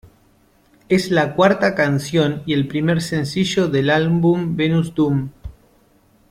Es la cuarta canción y el primer sencillo del álbum Venus Doom.